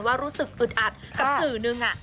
รู้สึกอึดอัดกับสื่อนึง